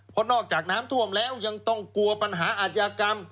เพราะนอกจากน้ำท่วมแล้วยังต้องกลัวปัญหาอาจยากรรม